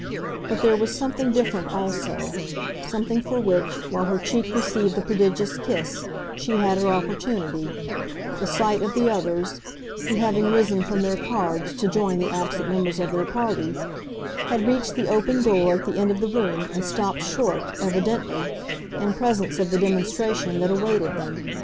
But there was something different also, something for which, while her cheek received the prodigious kiss, she had her opportunity the sight of the others, who, having risen from their cards to join the absent members of their party, had reached the open door at the end of the room and stopped short, evidently, in presence of the demonstration that awaited them.